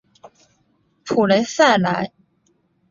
普雷赛莱。